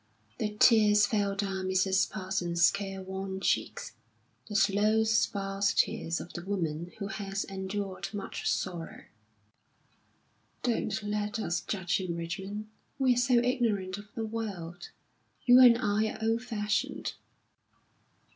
The tears fell down Mrs. Parsons' careworn cheeks the slow, sparse tears of the woman who has endured much sorrow. "Don't let us judge him, Richmond. We're so ignorant of the world. You and I are old fashioned."